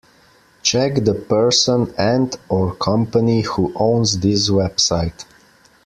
Check the person and/or company who owns this website.